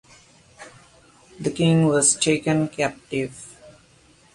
The king was taken captive.